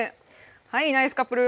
はいナイスカップル！